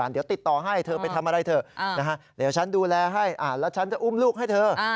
เดี๋ยวฉันดูแลให้แล้วฉันจะอุ้มลูกให้เถอะ